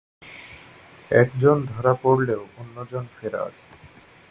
একজন ধরা পড়লেও অন্যজন ফেরার।